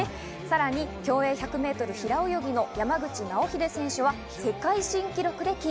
さらに、競泳１００ｍ平泳ぎの山口尚秀選手は世界新記録で金。